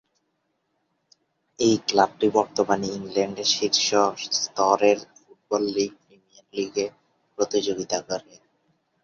এই ক্লাবটি বর্তমানে ইংল্যান্ডের শীর্ষ স্তরের ফুটবল লীগ প্রিমিয়ার লীগে প্রতিযোগিতা করে।